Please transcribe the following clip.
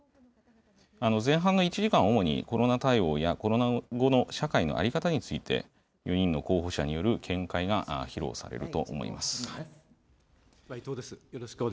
前半の１時間は主にコロナ対応や、コロナ後の社会の在り方について、４人の候補者による見解が披露されると思います。